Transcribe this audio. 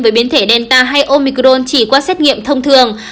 với biến thể delta hay omicron chỉ qua xét nghiệm thông thường